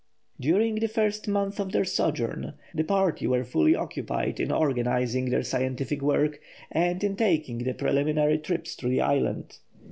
During the first month of their sojourn, the party were fully occupied in organising their scientific work and in taking preliminary trips through the island.